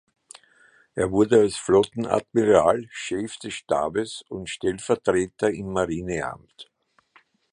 Er wurde als Flottenadmiral Chef des Stabes und Stellvertreter im Marineamt.